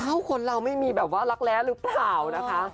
คนเราไม่มีแบบว่ารักแร้หรือเปล่านะคะ